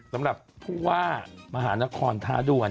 สำหรับพูกว่าหมาหานครทะดวน